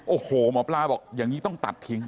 โอ้โหหมอปลาบอกอย่างนี้ต้องตัดทิ้ง